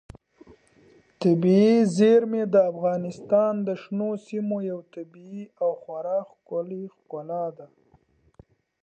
طبیعي زیرمې د افغانستان د شنو سیمو یوه طبیعي او خورا ښکلې ښکلا ده.